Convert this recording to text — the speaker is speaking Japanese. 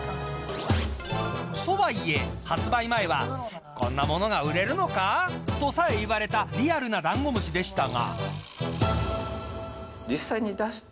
とはいえ、発売前はこんなものが売れるのかとさえ言われたリアルなだんごむしでしたが。